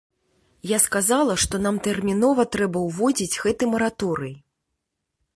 Я сказала, што нам тэрмінова трэба ўводзіць гэты мараторый.